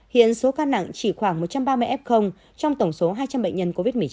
hiện số ca nặng chỉ khoảng một trăm ba mươi f trong tổng số hai trăm linh bệnh nhân covid một mươi chín